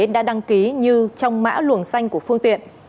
đã đăng ký như trong mã luồng xanh của phương tiện